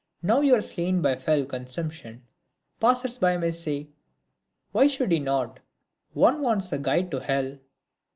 Now you are slain By fell consumption, passers by may say, Why should he not , one wants a guide to Hell.